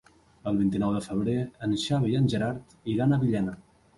El vint-i-nou de febrer en Xavi i en Gerard iran a Villena.